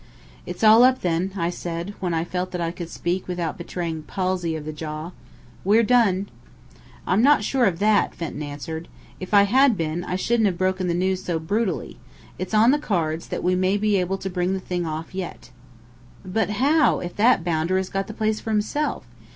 "It's all up then," I said, when I felt that I could speak without betraying palsy of the jaw. "We're done!" "I'm not sure of that," Fenton answered. "If I had been, I shouldn't have broken the news so brutally. It's on the cards that we may be able to bring the thing off yet." "But how, if that bounder has got the place for himself?